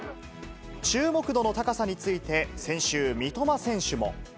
注目度の高さによって先週、三笘選手も。